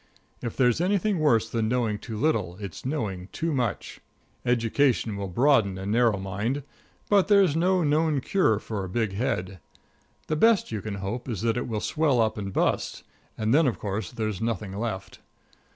If there's anything worse than knowing too little, it's knowing too much. Education will broaden a narrow mind, but there's no known cure for a big head. The best you can hope is that it will swell up and bust; and then, of course, there's nothing left.